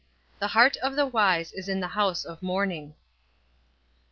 The heart of the wise is in the house of mourning."